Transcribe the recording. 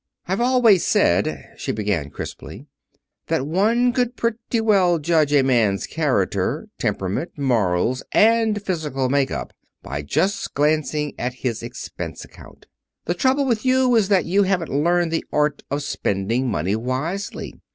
"I've always said," she began, crisply, "that one could pretty well judge a man's character, temperament, morals, and physical make up by just glancing at his expense account. The trouble with you is that you haven't learned the art of spending money wisely.